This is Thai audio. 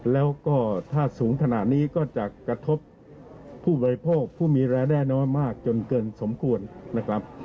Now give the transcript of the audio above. แล้วก็ถ้าสูงขนาดนี้ก็จะกระทบผู้บริโภคผู้มีรายได้น้อยมากจนเกินสมควรนะครับ